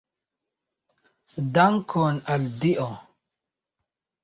Dankon al Dio!